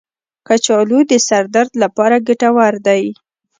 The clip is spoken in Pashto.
کچالو د سر درد لپاره ګټور دی.